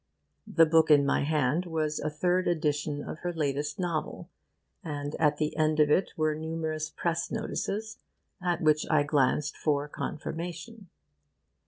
The book in my hand was a third edition of her latest novel, and at the end of it were numerous press notices, at which I glanced for confirmation.